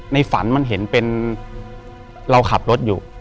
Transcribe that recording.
ฝันมันเห็นเป็นเราขับรถอยู่